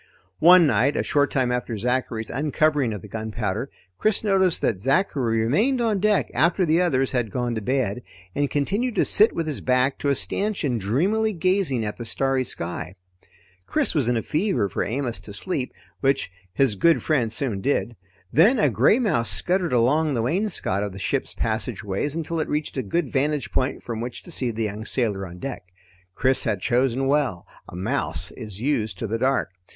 One night a short time after Zachary's uncovering of the gunpowder, Chris noticed that Zachary remained on deck after the others had gone to bed, and continued to sit with his back to a stanchion dreamily gazing at the starry sky. Chris was in a fever for Amos to sleep, which his good friend soon did. Then a gray mouse scuttered along the wainscot of the ship's passageways until it reached a good vantage point from which to see the young sailor on deck. Chris had chosen well; a mouse is used to the dark.